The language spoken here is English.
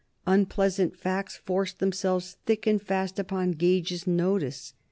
Unpleasant facts forced themselves thick and fast upon Gage's notice.